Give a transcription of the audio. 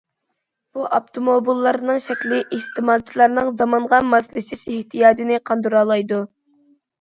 بۇ ئاپتوموبىللارنىڭ شەكلى ئىستېمالچىلارنىڭ زامانغا ماسلىشىش ئېھتىياجىنى قاندۇرالايدۇ.